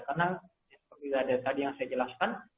karena seperti yang saya jelaskan